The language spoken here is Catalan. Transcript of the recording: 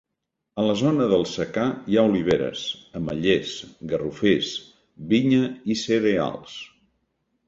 En la zona del secà hi ha oliveres, ametllers, garroferes, vinya i cereals.